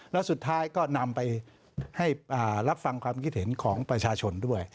แล้วสุดท้ายก็นำไปให้รับฟังความคิดเห็นของประชาชนด้วย